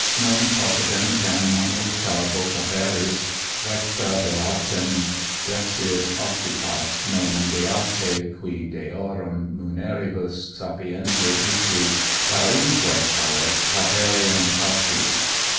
Non possidentem multa vocaveris Recte beatum: rectius occupat Nomen Beati, qui Deorum Muneribus sapienter uti, Duramque callet pauperiem pati.